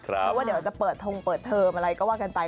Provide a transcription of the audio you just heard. เพราะว่าเดี๋ยวจะเปิดทงเปิดเทอมอะไรก็ว่ากันไป